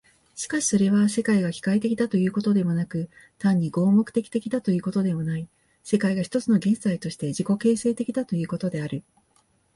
しかしそれは、世界が機械的だということでもなく、単に合目的的だということでもない、世界が一つの現在として自己形成的だということである。